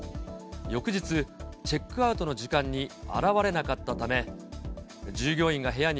翌日、チェックアウトの時間に現れなかったため、従業員が部屋に